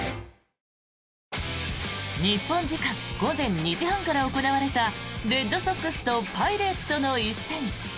日本時間午前２時半から行われたレッドソックスとパイレーツとの一戦。